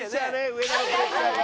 植田のプレッシャーが。